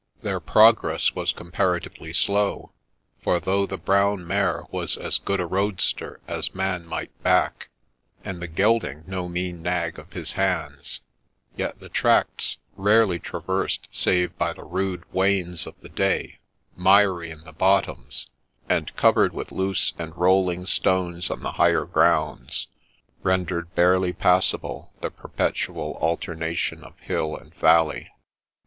Their progress was 76 MRS. BOTHERBY'S STORY comparatively slow ; for though the brown mare was as good a roadster as man might back, and the gelding no mean nag of his hands, yet the tracts, rarely traversed save by the rude wains of the day, miry in the ' bottoms,' and covered with loose and rolling stones on the higher grounds, rendered barely passable the perpetual alternation of hill and valley.